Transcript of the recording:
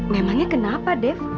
memangnya kenapa dep